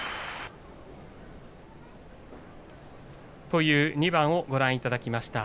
という２番をご覧いただきました。